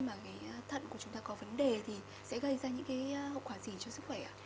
nếu mà thận của chúng ta có vấn đề thì sẽ gây ra những hậu quả gì cho sức khỏe ạ